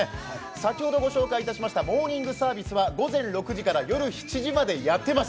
先ほどご紹介したモーニングサービスは午前６時から夜７時までやっています。